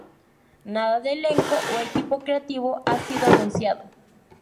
Nada de elenco o equipo creativo ha sido anunciado.